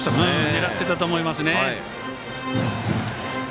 狙ってたと思います。